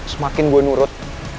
semakin gue nurut